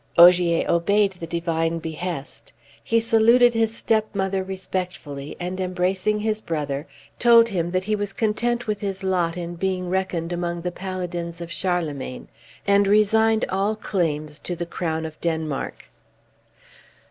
Ogier obeyed the divine behest. He saluted his stepmother respectfully, and embracing his brother, told him that he was content with his lot in being reckoned among the paladins of Charlemagne, and resigned all claims to the crown of Denmark.